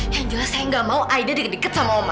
yang jelas saya gak mau aida di deket deket sama oma